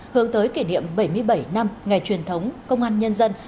hướng tới kỷ niệm bảy mươi bảy năm ngày truyền thống công an nhân dân